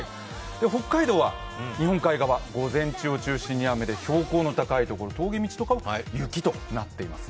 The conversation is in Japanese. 北海道は、日本海側、午前中を中心に雨、標高の高いところ、峠道なんかは雪になっていますね。